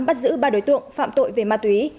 bắt giữ ba đối tượng phạm tội về ma túy